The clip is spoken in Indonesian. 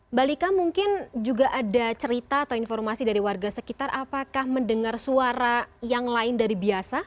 mbak lika mungkin juga ada cerita atau informasi dari warga sekitar apakah mendengar suara yang lain dari biasa